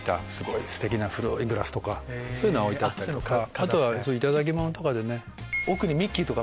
あとは頂き物とか。